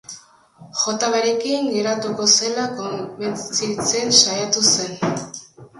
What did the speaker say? Jota berekin geratuko zela konbentzitzen saiatu zen.